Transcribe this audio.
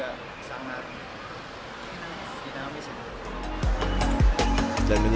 dan itu sangat luar biasa menurut saya